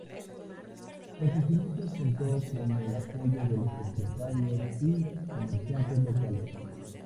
En sus inicios contó con el apoyo de los empresarios y comerciantes locales.